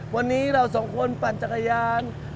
วันนี้เราสองคนปั่นจักรยาน